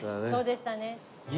そうでしたね。